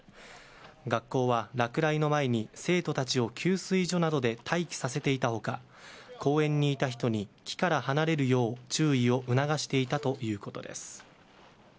学校は落雷の前に生徒たちを給水所などで待機させていた他公園にいた人に木から離れるよう注意を促していたということです。